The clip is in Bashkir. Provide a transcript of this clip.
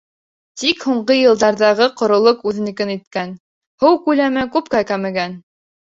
Тик һуңғы йылдарҙағы ҡоролоҡ үҙенекен иткән, һыу күләме күпкә кәмегән.